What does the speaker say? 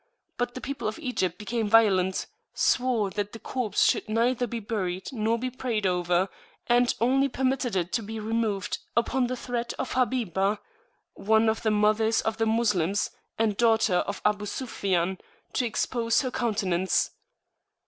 But the people of Egypt became violent; swore that the corpse should neither be buried nor be prayed over, and only permitted it to be removed upon the threat of Habibah (one of the Mothers of the Moslems, and daughter of Abu Sufiyan) to expose her countenance.